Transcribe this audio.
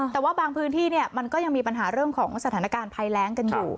แต่ว่าบางพื้นที่มันก็ยังมีปัญหาเรื่องของสถานการณ์ภัยแรงกันอยู่